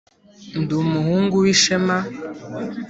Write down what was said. Ndi umuhungu w’ishema.